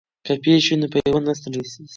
که پیچ وي نو پیوند نه سستیږي.